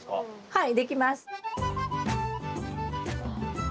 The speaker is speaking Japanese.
はい。